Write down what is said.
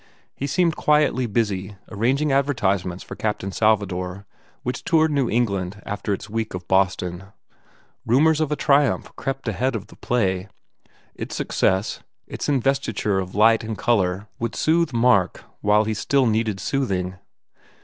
He seemed quietly busy, arranging advertisements for "Captain Salvador" which toured New England after its week of Boston. Rumours of a triumph crept ahead of the play. Its success, its investiture of light and colour would soothe 279 THE FAIR REWARDS Mark while he still needed soothing.